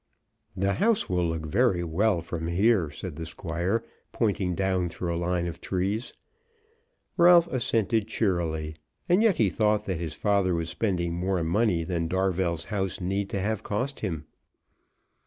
"The house will look very well from here," said the Squire, pointing down through a line of trees. Ralph assented cheerily; and yet he thought that his father was spending more money than Darvell's house need to have cost him.